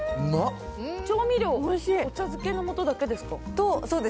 調味料、お茶漬けのもとだけですか。